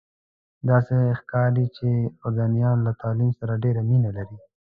داسې ښکاري چې اردنیان له تعلیم سره ډېره مینه لري.